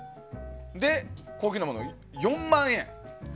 高級なものは４万円。